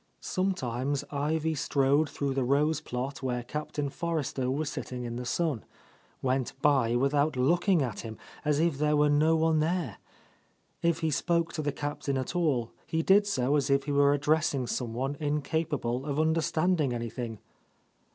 Sometimes Ivy strode through the rose plot where Captain Forrester was sitting in the sun, — went by without looking at him, as if there were no one there. If he spoke to the Captain at all, he did so as if he were addressing someone in capable of understanding anything.